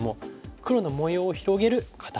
黒の模様を広げる肩ツキ。